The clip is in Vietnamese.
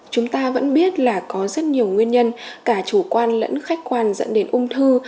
chúng ta vẫn biết là có rất nhiều nguyên nhân cả chủ quan lẫn khách quan dẫn đến ung thư